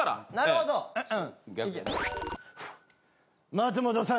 松本さん